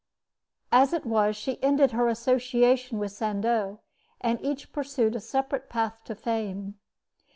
As it was, she ended her association with Sandeau, and each pursued a separate path to fame.